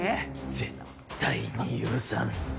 絶対に許さん。